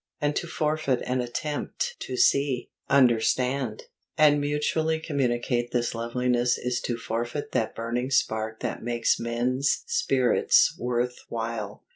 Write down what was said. And to forfeit an attempt to see, understand, and mutually communicate this loveliness is to forfeit that burning spark that makes men's spirits worth while.